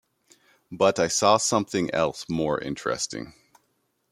But I saw something else more interesting.